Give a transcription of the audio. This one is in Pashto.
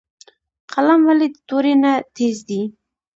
قلم ولې د تورې نه تېز دی؟